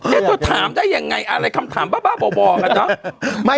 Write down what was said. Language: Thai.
แล้วเธอจะถามฉันได้ยังไงเขาไหว้หรือไม่